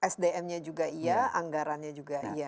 sdm nya juga iya anggarannya juga iya